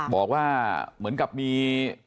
บอกว่าเหมือนกับมี